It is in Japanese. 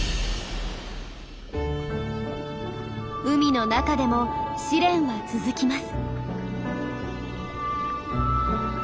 海の中でも試練は続きます。